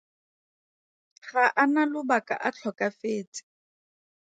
Ga a na lobaka a tlhokafetse.